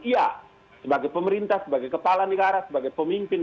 iya sebagai pemerintah sebagai kepala negara sebagai pemimpin